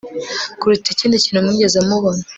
kuruta ikindi kintu mwigeze mubona